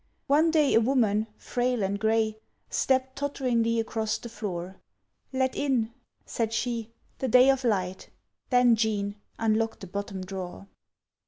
One day a woman, frail and gray, Stepped totteringly across the floor "Let in," said she, "the light of day, Then, Jean, unlock the bottom drawer."